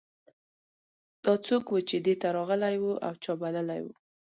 دا څوک و چې دې ته راغلی و او چا بللی و